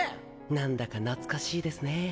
何だか懐かしいですね